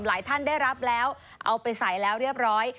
ท่านได้รับแล้วเอาไปใส่แล้วเรียบร้อย